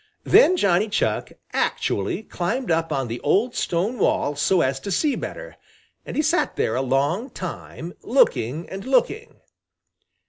Then Johnny Chuck actually climbed up on the old stone wall so as to see better, and he sat there a long time, looking and looking.